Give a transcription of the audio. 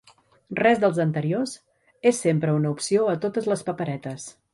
Res dels anteriors és sempre una opció a totes les paperetes.